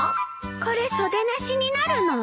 これ袖なしになるの？